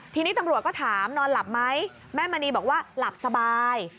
ทีนี้ตำรวจก็ถามนอนหลับไหมแม่มณีบอกว่าหลับสบาย